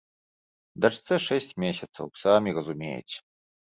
Дачцэ шэсць месяцаў, самі разумееце.